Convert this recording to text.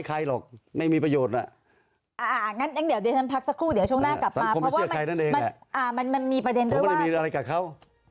สรรคมเชื่อใครนั่นเองอะเพราะว่าไม่มีอะไรกับเขา